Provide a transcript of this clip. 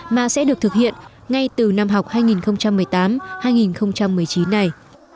mà sẽ được thực hiện ngay từ năm học hai nghìn một mươi tám hai nghìn một mươi chín này